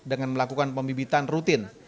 dengan melakukan pemibitan rutin